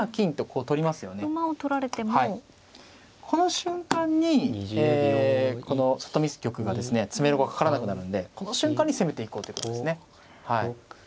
この瞬間に里見玉がですね詰めろがかからなくなるんでこの瞬間に攻めていこうということですね。